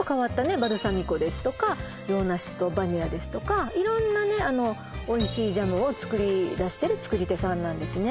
バルサミコですとか洋梨とバニラですとか色んなねおいしいジャムを作り出してる作り手さんなんですね